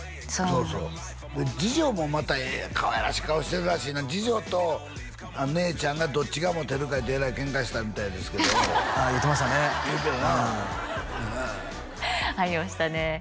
そうそう次女もまたかわいらしい顔してるらしいな次女と姉ちゃんがどっちがモテるかいうてえらいケンカしたみたいですけどああ言ってましたね言ってたなありましたね